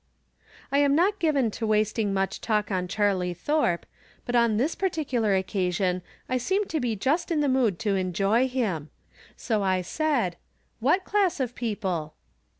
I am not given to "wasting much talk on Charlie Thorpe, but on this particular occasion I seemed to be just in the mood to enjoy him. So I said :" What class of people